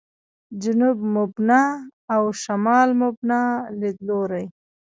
«جنوب مبنا» او «شمال مبنا» لیدلوري.